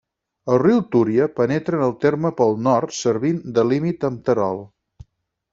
El riu Túria penetra en el terme pel nord, servint de límit amb Terol.